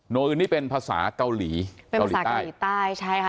อื่นนี่เป็นภาษาเกาหลีเป็นภาษาเกาหลีใต้ใช่ค่ะ